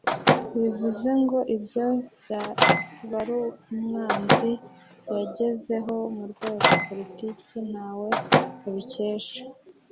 Bivuze ngo ibyo Byabarumwanzi yagezeho murwego rwa politiki ntawe abikesha